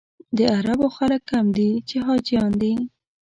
د عربو خلک کم دي چې حاجیان دي.